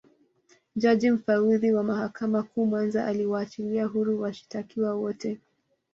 Jaji Mfawidhi wa Mahakama Kuu Mwanza aliwaachilia huru washitakiwa wote